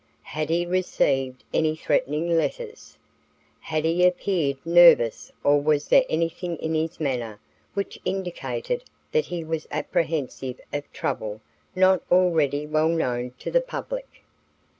Had he received any threatening letters? Had he appeared nervous or was there anything in his manner which indicated that he was apprehensive of trouble not already well known to the public?